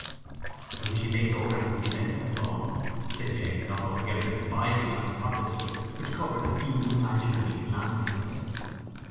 "I wish he mayn't gore anybody then, that's all," said Jane, not altogether despising a hypothesis which covered a few imaginary calamities.